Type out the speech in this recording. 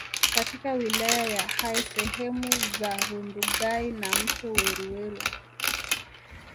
katika wilaya ya Hai sehemu za Rundugai na mto Weruweru